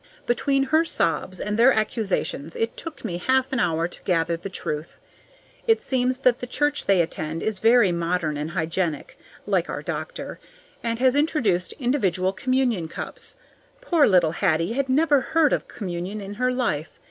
Between her sobs and their accusations it took me half an hour to gather the truth. It seems that the church they attend is very modern and hygienic, like our doctor, and has introduced individual communion cups. Poor little Hattie had never heard of communion in her life.